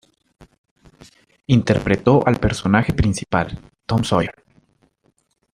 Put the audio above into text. Interpretó al personaje principal, "Tom Sawyer".